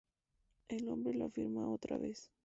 El hombre lo filma otra vez.